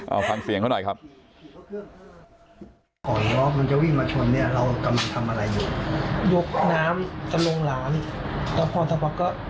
เอาฟังเสียงเขาหน่อยครับ